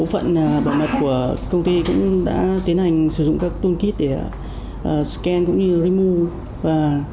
ví dụ như thế này bộ phận bảo mật của công ty cũng đã tiến hành sử dụng các tool kit để scan cũng như remove